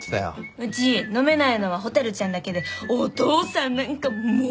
うち飲めないのは蛍ちゃんだけでお父さんなんかもう。